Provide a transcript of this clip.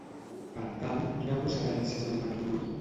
Per tant, quina procedència se li va atribuir?